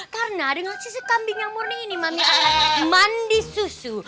karena dengan sisa kambing yang murni ini mami akan mandi susu